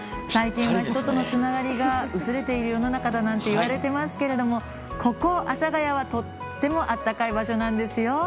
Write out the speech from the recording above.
最近は、人とのつながりが薄れている世の中だなんて言われていますけれどここ阿佐ヶ谷はとってもあったかい場所なんですよ。